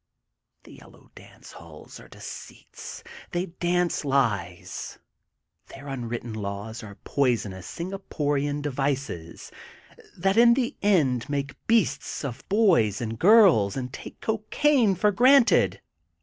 The Yellow Dance Halls are deceits. They dance lies. Their unwritten laws are poison ous Singaporian devices that in the end make beasts of boys and girls and take cocaine for granted.